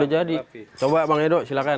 udah jadi coba bang edo silakan